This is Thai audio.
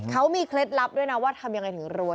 เขามีเคล็ดลับด้วยนะว่าทำยังไงถึงรวย